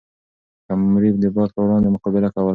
قمري د باد په وړاندې مقابله کوله.